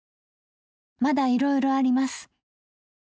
まだいろいろあります。